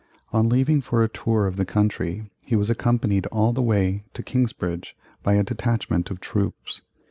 On leaving for a tour of the country he was accompanied all the way to Kingsbridge by a detachment of troops.